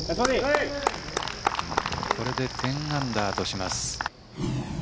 これで１０アンダーとします。